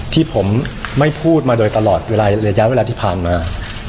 ที่ผมไม่พูดมาโดยตลอดเวลาระยะเวลาที่ผ่านมา